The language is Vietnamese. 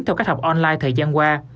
theo cách học online thời gian qua